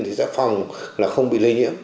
thì sẽ phòng là không bị lây nhiễm